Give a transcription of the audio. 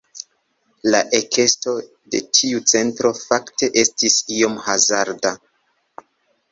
La ekesto de tiu centro fakte estis iom hazarda.